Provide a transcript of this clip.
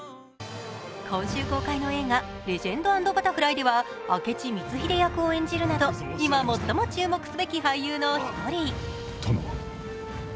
今週公開の映画「レジェンド＆バタフライ」では明智光秀役を演じるなど今、最も注目すべき俳優の一人。